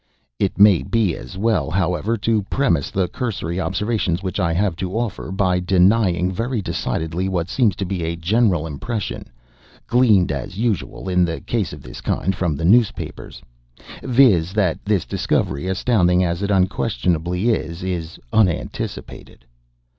It may be as well, however, to premise the cursory observations which I have to offer, by denying, very decidedly, what seems to be a general impression (gleaned, as usual in a case of this kind, from the newspapers), viz.: that this discovery, astounding as it unquestionably is, is unanticipated.